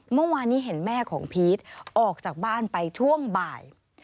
เมื่อวานนี้เห็นแม่ของพีชออกจากบ้านไปช่วงบ่าย